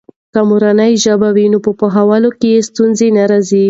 که مورنۍ ژبه وي، نو پوهیدلو کې ستونزې نه راځي.